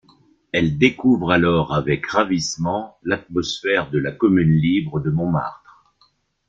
Elle découvre alors avec ravissement l'atmosphère de la Commune Libre de Montmartre.